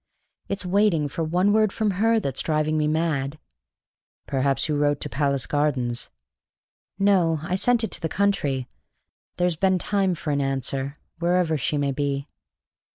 It's waiting for one word from her that's driving me mad." "Perhaps you wrote to Palace Gardens?" "No, I sent it to the country. There's been time for an answer, wherever she may be."